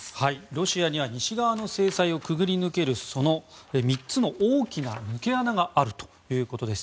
ロシアには西側の制裁をくぐり抜ける３つの大きな抜け穴があるということです。